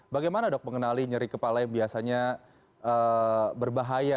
bagaimana dok mengenali nyeri kepala yang biasanya berbahaya